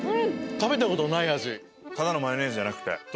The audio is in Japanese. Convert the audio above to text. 食べたことのない味。